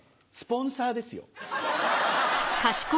スポンサーですよ。